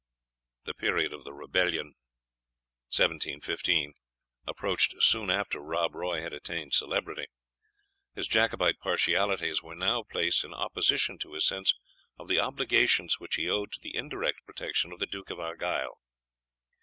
The period of the rebellion, 1715, approached soon after Rob Roy had attained celebrity. His Jacobite partialities were now placed in opposition to his sense of the obligations which he owed to the indirect protection of the Duke of Argyle.